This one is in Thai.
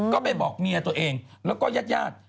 ก็ไปบอกเมียตัวเองแล้วก็ญาติญาติ